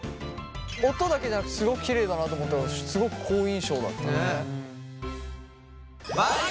音だけじゃなくてすごくきれいだなと思ったからすごく好印象だったね。